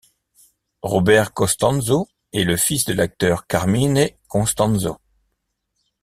Robert Costanzo est le fils de l'acteur Carmine Constanzo.